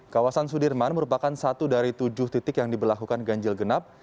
kawasan sudirman merupakan satu dari tujuh titik yang diberlakukan ganjil genap